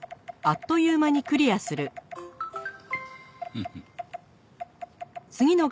フフッ。